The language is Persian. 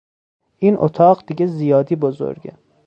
این اتاق دیگه زیادی بزرگه!